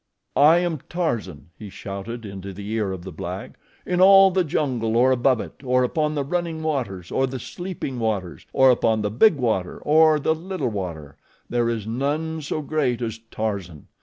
"I am Tarzan," he shouted into the ear of the black. "In all the jungle, or above it, or upon the running waters, or the sleeping waters, or upon the big water, or the little water, there is none so great as Tarzan.